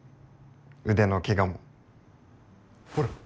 腕のケガもほら。